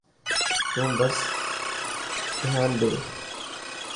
تون بس ڌيان ڏي.